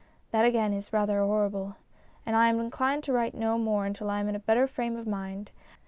That, again, is rather horrible, and I am inclined to write no more until I am in a better frame of mind.